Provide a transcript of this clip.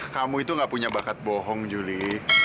kamu itu gak punya bakat bohong juli